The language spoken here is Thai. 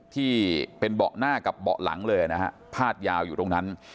ที่เป็นเบาะหน้ากับเบาะหลังเลยนะฮะพาดยาวอยู่ตรงนั้น